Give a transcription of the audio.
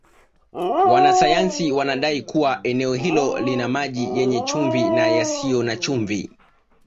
Wanasayansi wanadai kuwa eneo hilo lina maji yenye chumvi na yasiyo na chumvi